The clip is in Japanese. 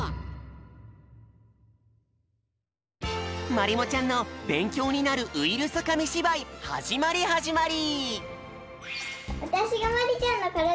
まりもちゃんのべんきょうになるウイルスかみしばいはじまりはじまり！